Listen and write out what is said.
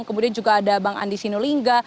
kemudian juga ada bang andi sinulinga